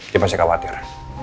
dia pasti khawatir